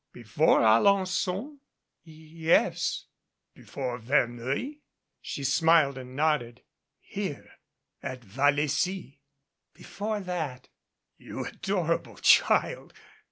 "Before Alen9on?" "Y yes." "Before Verneuil?" She smiled and nodded. "Here at Vallecy?" "Before that." "You adorable child